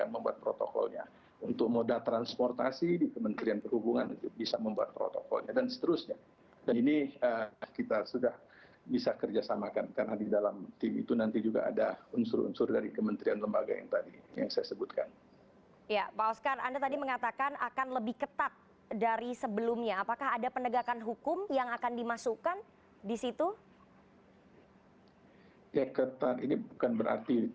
pembatasan sosial berskala besar